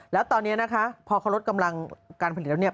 แล้วตอนนี้พอเขารดกำลังการผลิตแล้ว